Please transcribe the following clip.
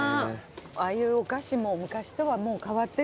ああいうお菓子も昔とはもう変わってるんですね。